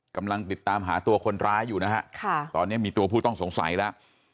กำลังติดตามหาตัวคนร้ายอยู่นะฮะค่ะตอนนี้มีตัวผู้ต้องสงสัยแล้ว